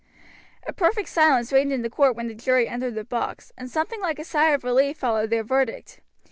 A perfect silence reigned in the court when the jury entered the box, and something like a sigh of relief followed their verdict.